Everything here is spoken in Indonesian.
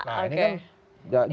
nah ini kan